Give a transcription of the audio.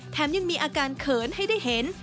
ยังมีอาการเขินให้ได้เห็น